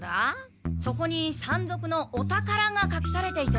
そこに山賊のお宝がかくされていて。